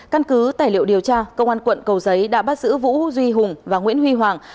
căn cứ tài liệu điều tra công an quận cầu giấy đã bắt giữ vũ duy hùng và nguyễn huy hoàng